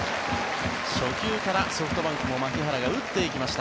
初球からソフトバンクの牧原が打っていきました。